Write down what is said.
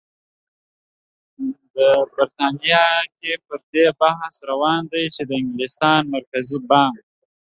بریتانیا کې پر دې بحث روان دی چې د انګلستان د مرکزي بانک